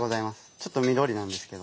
ちょっと緑なんですけど。